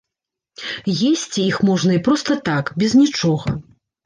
Есці іх можна і проста так, без нічога.